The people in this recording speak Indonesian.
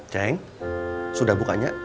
ceng sudah bukanya